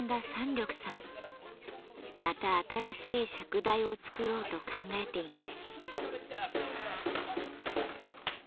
また新しい釈台を作ろうと考えています。